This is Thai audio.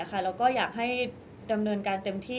แล้วก็อยากให้ดำเนินการเต็มที่